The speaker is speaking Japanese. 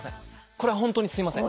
これは本当にすいません。